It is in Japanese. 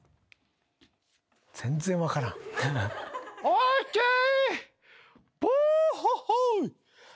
オッケー！